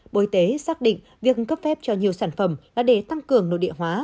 bộ y tế xác định việc cấp phép cho nhiều sản phẩm là để tăng cường nội địa hóa